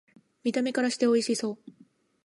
見た目からしておいしそう